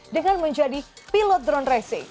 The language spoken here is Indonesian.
dengan menjadi pilot drone racing